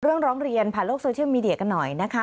ร้องเรียนผ่านโลกโซเชียลมีเดียกันหน่อยนะคะ